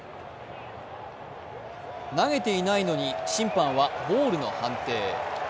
投げていないのに審判はボールの判定。